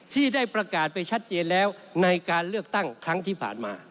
ที่ได้ประกาศไปชัดเจนแล้วในการเลือกตั้งครั้งที่ผ่านมา